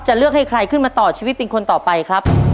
เลือกให้ใครขึ้นมาต่อชีวิตเป็นคนต่อไปครับ